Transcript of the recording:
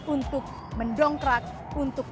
untuk mendongkrak untuk